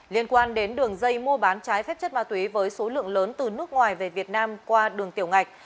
liên quan đến đường dây mua bán trái phép chất ma túy với số lượng lớn từ nước ngoài về việt nam qua đường tiểu ngạch